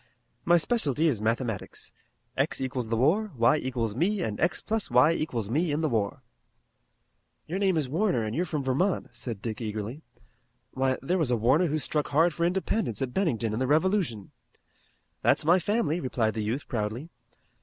My specialty is mathematics. X equals the war, y equals me and x plus y equals me in the war." "Your name is Warner and you are from Vermont," said Dick eagerly. "Why, there was a Warner who struck hard for independence at Bennington in the Revolution." "That's my family," replied the youth proudly.